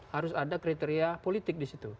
harus ada kriteria politik di situ